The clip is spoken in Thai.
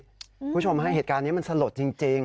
คุณผู้ชมฮะเหตุการณ์นี้มันสลดจริง